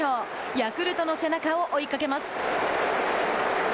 ヤクルトの背中を追いかけます。